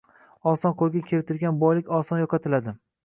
Oson qo‘lga kiritilgan boylik oson yo‘qotiladi.